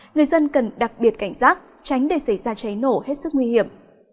người dân cần đặc biệt cảnh giác tránh để xảy ra cháy nổ hết sức nguy hiểm